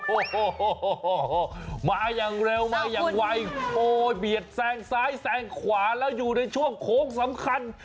โอ้โหมาอย่างเร็วมาอย่างไวโอ้เบียดแซงซ้ายแซงขวาแล้วอยู่ในช่วงโค้งสำคัญ